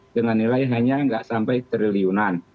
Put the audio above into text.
dengan nilai hanya nggak sampai triliunan